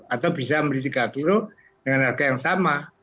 atau bisa membeli tiga kg dengan harga yang sama